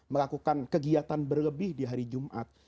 melakukan kegiatan berlebih di hari jumat